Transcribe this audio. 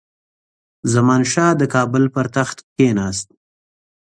زمانشاه د کابل پر تخت کښېناست.